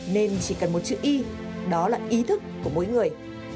nên chỉ cần một chữ y đó là ý thức của mỗi người